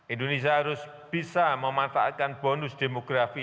indonesia harus bisa memanfaatkan bonus demografi